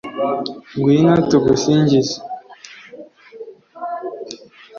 ngwino tugusingize